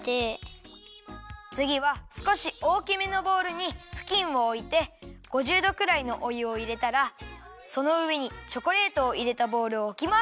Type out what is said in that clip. つぎはすこしおおきめのボウルにふきんをおいて５０どくらいのおゆをいれたらそのうえにチョコレートをいれたボウルをおきます。